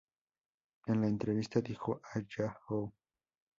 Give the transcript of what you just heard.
En la entrevista dijo a Yahoo!